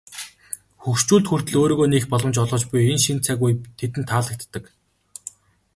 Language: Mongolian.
Хөгшчүүлд хүртэл өөрийгөө нээх боломж олгож буй энэ шинэ цаг үе тэдэнд таалагддаг.